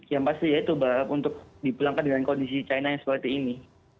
yang pasti ya itu untuk dipulangkan dengan kondisi china yang seperti ini